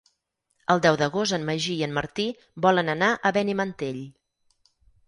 El deu d'agost en Magí i en Martí volen anar a Benimantell.